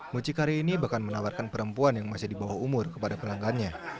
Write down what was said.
mucikari ini bahkan menawarkan perempuan yang masih di bawah umur kepada pelanggannya